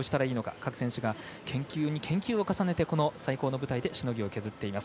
各選手が研究に研究を重ねてこの最高の舞台でしのぎを削っています。